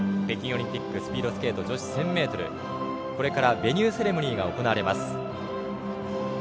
北京オリンピックスピードスケート女子１０００ｍこれからセレモニーが行われます。